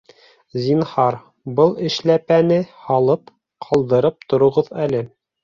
Зинһар, был эшләпәне һалып, ҡалдырып тороғоҙ әле